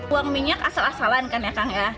uang minyak asal asalan kan ya kang ya